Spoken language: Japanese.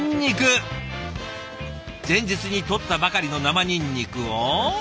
前日に採ったばかりの生ニンニクを。